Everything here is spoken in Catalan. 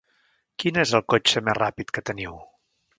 Quin és el cotxe més ràpid que teniu?